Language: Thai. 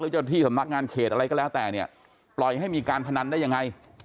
เจ้าที่สำนักงานเขตอะไรก็แล้วแต่เนี่ยปล่อยให้มีการพนันได้ยังไง